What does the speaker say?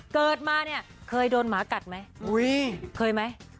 เกิดมาเคยโดนหมากัดมั้ย